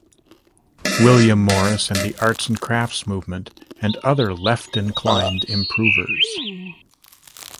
William Morris and the Arts and Crafts movement and other left-inclined improvers.